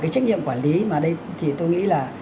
trách nhiệm quản lý mà đây thì tôi nghĩ là